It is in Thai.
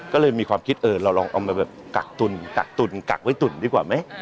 ก็เลยมีความคิดเออเราลองเอามาแบบกักตุ่นกักตุ่นกักไว้ตุ่นดีกว่าไหม